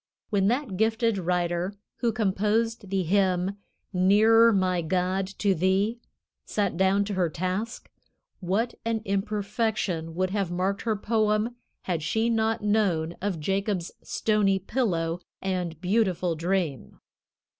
When that gifted writer who composed the hymn "Nearer my God to Thee" sat down to her task, what an imperfection would have marked her poem had she not known of Jacob's stony pillow and beautiful dream!